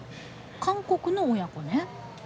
韓国の親子ね。